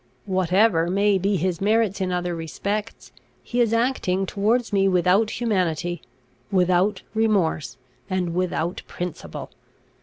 Whatever may be his merits in other respects, he is acting towards me without humanity, without remorse, and without principle.